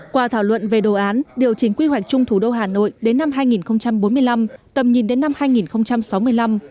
qua thảo luận về đồ án điều chỉnh quy hoạch chung thủ đô hà nội đến năm hai nghìn bốn mươi năm tầm nhìn đến năm hai nghìn sáu mươi năm